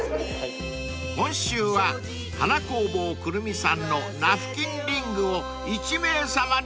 ［今週は花工房胡桃さんのナフキンリングを１名さまにお裾分け］